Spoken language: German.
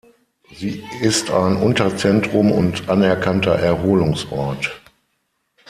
Sie ist ein Unterzentrum und anerkannter Erholungsort.